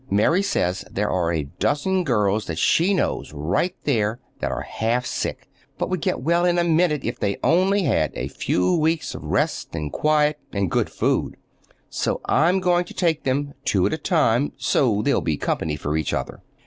Mary says there are a dozen girls that she knows right there that are half sick, but would get well in a minute if they only had a few weeks of rest and quiet and good food. So I'm going to take them, two at a time, so they'll be company for each other.